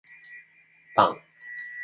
パン